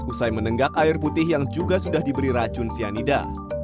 usai menenggak air putih yang juga sudah diberi racun cyanida